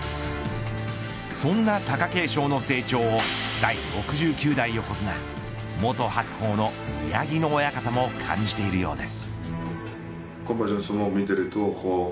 そんな貴景勝の成長を第６９代横綱元白鵬の宮城野親方も感じているようです。